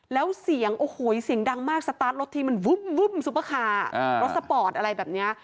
แล้วเสียงโอ้โหเสียงดังมากสตาร์ทรถทีมันวุ้มซุปเปอร์คาร์รถสปอร์ตอะไรแบบนี้